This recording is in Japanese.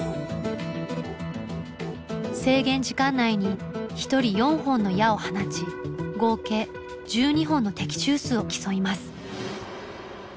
制限時間内に１人４本の矢を放ち合計１２本の的中数を競います。